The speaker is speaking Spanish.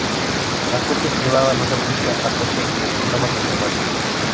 La copia privada no se aplica a software o programas informáticos.